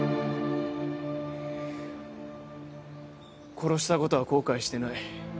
殺したことは後悔してない。